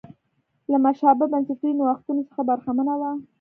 له مشابه بنسټي نوښتونو څخه برخمنه وه.